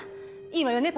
いいわよね？